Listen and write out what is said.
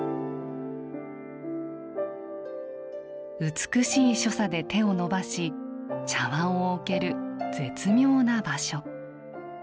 美しい所作で手を伸ばし茶わんを置ける絶妙な場所。